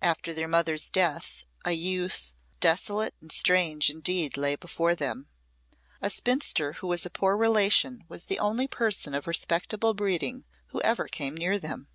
After their mother's death a youth desolate and strange indeed lay before them. A spinster who was a poor relation was the only person of respectable breeding who ever came near them.